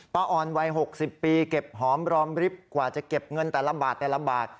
อ่อนวัย๖๐ปีเก็บหอมรอมริบกว่าจะเก็บเงินแต่ละบาทแต่ละบาท